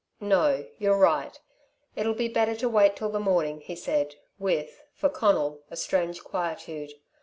"No. You're right. It'll be better to wait till the morning," he said, with, for Conal, a strange quietude.